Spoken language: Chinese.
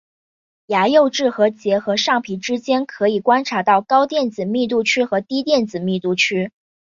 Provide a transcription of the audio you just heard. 牙釉质和结合上皮之间可以观察到高电子密度区和低电子密度区。